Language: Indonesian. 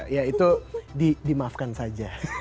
ya itu di maafkan saja